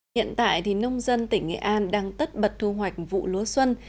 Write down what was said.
hiện tại thì nông dân tỉnh nghệ an đang tất bật thu hoạch vụ lúa xuân